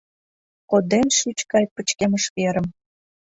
Коден шӱч гай пычкемыш верым